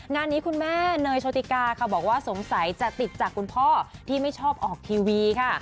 งานนี้คุณแม่เนยโชติกาค่ะบอกว่าสงสัยจะติดจากคุณพ่อที่ไม่ชอบออกทีวีค่ะ